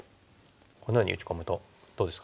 このように打ち込むとどうですか安田さん。